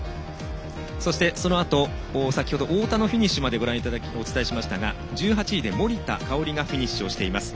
そしてそのあと先程太田のフィニッシュまでお伝えしましたが１８位で森田香織がフィニッシュしました。